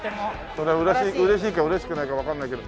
それは嬉しいか嬉しくないかわかんないけど。